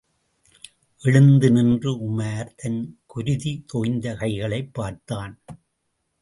எழுந்து நின்று உமார் தன் குருதி தோய்ந்த கைகளைப் பார்த்தான்.